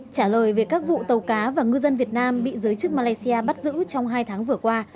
trả lời về các vụ tàu cá và ngư dân việt nam bị giới chức malaysia bắt giữ trong hai tháng vừa qua